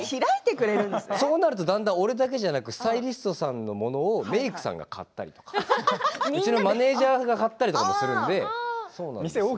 そうなると、俺だけじゃなくてスタイリストさんのものをメークさんが買ったりマネージャーが買ったりもするんです。